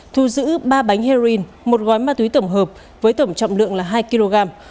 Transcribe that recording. thu giữ ba bánh heroin một gói ma túy tổng hợp với tổng trọng lượng là hai kg